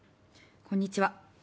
こんにちは。